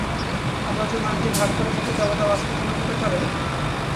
আমরা যদি অনেকদিন ভান করে থাকি, তবে তা বাস্তব মনে হতে পারে?